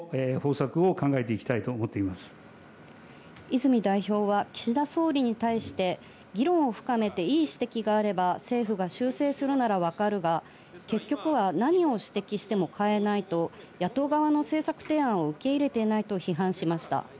泉代表は岸田総理に対して、議論を深めて、いい指摘があれば、政府が修正するならわかるが、結局は何を指摘しても変えないと野党側の政策提案を受け入れていないと批判しました。